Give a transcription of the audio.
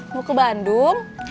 mau ke bandung